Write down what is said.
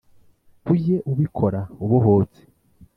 ujye ubikora ubohotse